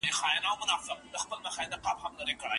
ایا ټوکران په ارزانه بیه خرڅېږي؟